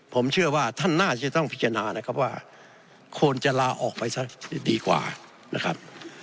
ผมเชื่อว่าท่านน่าจะต้องพิจารณานะครับว่าควรจะลาออกไปซะดีกว่านะครับ